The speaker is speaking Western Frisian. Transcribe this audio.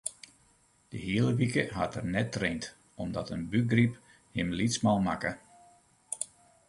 De hiele wike hat er net traind omdat in bûkgryp him lytsman makke.